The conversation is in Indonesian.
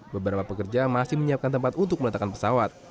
beberapa pekerja masih menyiapkan tempat untuk meletakkan pesawat